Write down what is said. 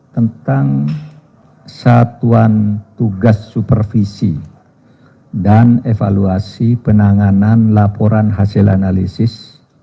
tentang satuan tugas supervisi dan evaluasi penanganan laporan hasil analisis